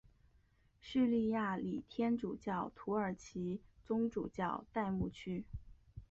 叙利亚礼天主教土耳其宗主教代牧区。